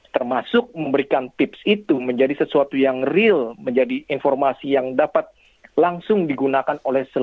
termasuk memberikan tips itu menjadi sesuatu yang real menjadi informasi yang dapat langsung digunakan oleh seluruh